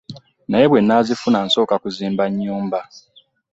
Naye bwe nzifuna nsooka kuzimba nnyumba.